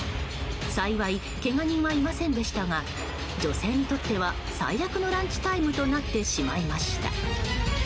幸い、けが人はいませんでしたが女性にとっては最悪のランチタイムとなってしまいました。